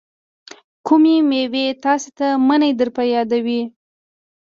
کومې میوې تاسې ته منی در په یادوي؟